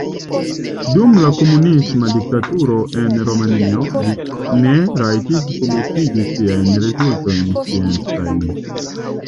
Dum la komunisma diktaturo en Rumanio li ne rajtis publikigi siajn rezultojn sciencajn.